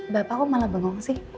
bapak kok malah bingung sih